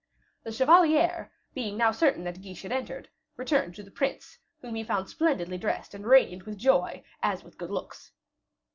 The chevalier, being now certain that Guiche had entered, returned to the prince, whom he found splendidly dressed and radiant with joy, as with good looks.